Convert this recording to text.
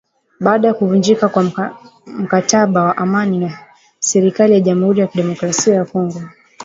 Baada ya kuvunjika kwa mkataba wa amani na serikali ya Jamhuri ya kidemokrasia ya Kongo.